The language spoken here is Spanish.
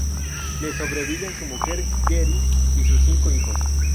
Le sobreviven su mujer Geri y sus cinco hijos.